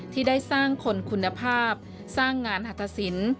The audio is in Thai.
ที่ได้สร้างคนคุณภาพสร้างงานหัตตสิน